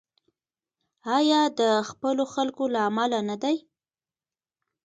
آیا د خپلو خلکو له امله نه دی؟